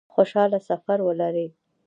خوشحاله سفر ولري